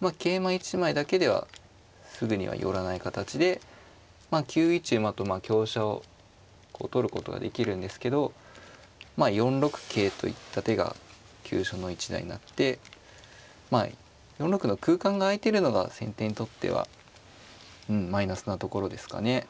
まあ桂馬１枚だけではすぐには寄らない形で９一馬とまあ香車を取ることができるんですけど４六桂といった手が急所の一打になって４六の空間が空いてるのが先手にとってはうんマイナスなところですかね。